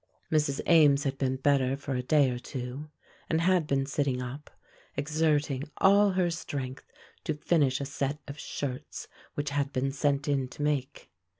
Mrs. Ames had been better for a day or two, and had been sitting up, exerting all her strength to finish a set of shirts which had been sent in to make.